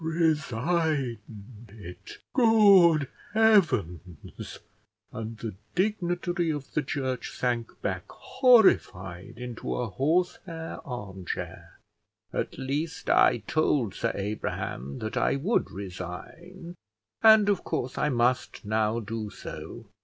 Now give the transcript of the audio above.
"Resigned it! Good heavens!" And the dignitary of the church sank back horrified into a horsehair arm chair. "At least I told Sir Abraham that I would resign; and of course I must now do so."